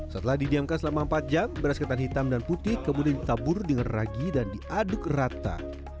setelah didiamkan selama empat jam beras ketan hitam dan putih kemudian ditabur dengan ragi dan diaduk rata